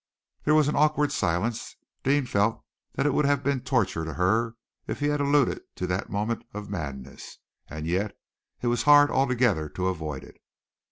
There was an awkward silence. Deane felt that it would have been torture to her if he had alluded to that moment of madness, and yet it was hard altogether to avoid it.